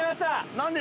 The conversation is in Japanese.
何で？